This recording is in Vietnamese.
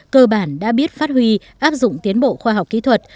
cơ bản đã biết phát huy áp dụng tiến bộ khoa học kỹ thuật